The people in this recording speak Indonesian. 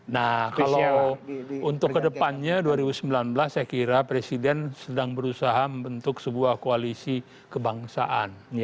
nah kalau untuk kedepannya dua ribu sembilan belas saya kira presiden sedang berusaha membentuk sebuah koalisi kebangsaan